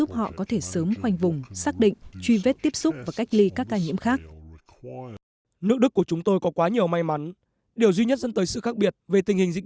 nước đức của chúng tôi có quá nhiều may mắn điều duy nhất dẫn tới sự khác biệt về tình hình dịch